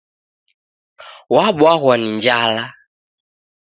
W'abw'aghw'a ni njala